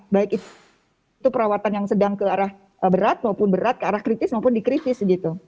baik itu perawatan yang sedang ke arah berat maupun berat ke arah kritis maupun dikritis gitu